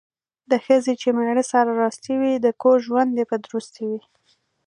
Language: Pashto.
د ښځې چې میړه سره راستي وي، د کور ژوند یې په درستي وي.